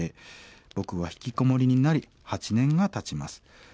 「僕はひきこもりになり８年がたちます。